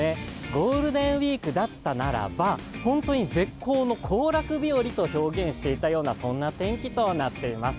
ゴールデンウイークだったらば、本当に絶好の行楽日よりと表現していたような、そんな天気となっております。